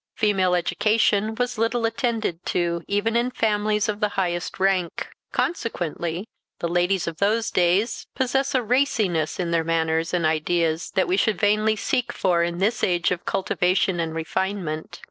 Female education was little attended to, even in families of the highest rank; consequently, the ladies of those days possess a raciness in their manners and ideas that we should vainly seek for in this age of cultivation and refinement.